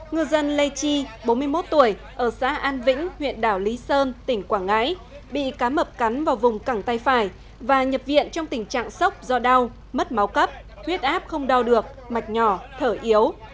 ngư dân lê chi bốn mươi một tuổi ở xã an vĩnh huyện đảo lý sơn tỉnh quảng ngãi bị cá mập cắn vào vùng cẳng tay phải và nhập viện trong tình trạng sốc do đau mất máu cấp huyết áp không đo được mạch nhỏ thở yếu